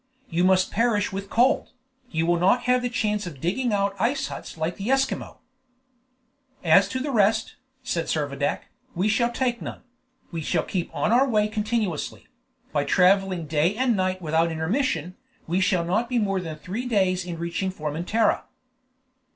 You must perish with cold; you will not have the chance of digging out ice huts like the Esquimaux." "As to rest," said Servadac, "we shall take none; we shall keep on our way continuously; by traveling day and night without intermission, we shall not be more than three days in reaching Formentera."